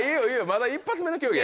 まだ一発目の競技やからな。